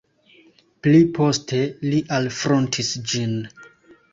Pli poste li alfrontis ĝin.